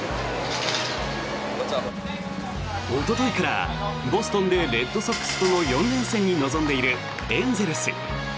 おとといからボストンでレッドソックスとの４連戦に臨んでいるエンゼルス。